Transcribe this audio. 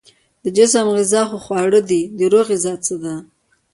د جسم غذا خو خواړه دي، د روح غذا څه ده؟